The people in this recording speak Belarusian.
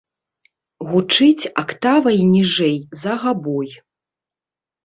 Гучыць актавай ніжэй за габой.